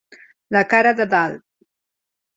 La cara de dalt.